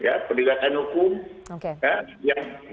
ya perlilakan hukum